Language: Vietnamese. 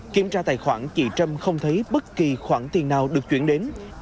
kiểm tra tài khoản chị trâm không thấy bất kỳ khoản tiền nào được chuyển đến